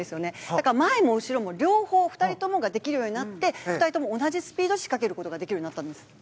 だから前も後ろも両方、２人ともができるようになって２人とも同じスピードで仕掛けられるようになったんです。